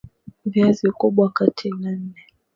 Viazi Ukubwa wa kati nne